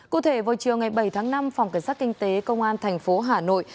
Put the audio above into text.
cụ thể vào chiều ngày bảy tháng năm phòng cảnh sát kinh tế công an thành phố hà nội